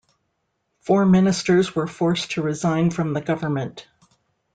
Four ministers were forced to resign from the government.